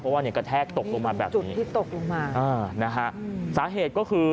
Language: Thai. ก็ว่ากระแทกตกลงมาแบบนี้นะครับอ๋อนะฮะสาเหตุก็คือ